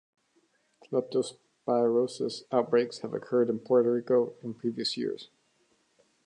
Leptospirosis outbreaks have occurred on Puerto Rico in previous years.